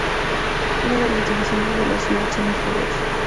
Una de las diversiones de la ciudad son los rodeos.